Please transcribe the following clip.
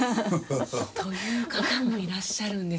という方もいらっしゃるんですよ。